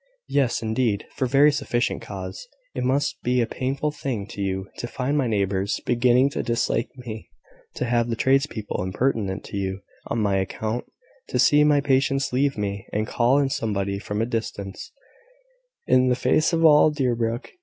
"Yes, indeed; for very sufficient cause. It must be a painful thing to you to find my neighbours beginning to dislike me; to have the tradespeople impertinent to you on my account; to see my patients leave me, and call in somebody from a distance, in the face of all Deerbrook.